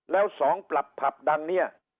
แล้วสองปรับผับดังเนี่ย